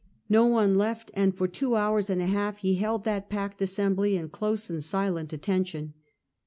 ]^o one left, and for two hours and a half he held that packed assembly in close and silent attention.